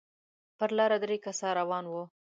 پر لاره درې کسه روان وو.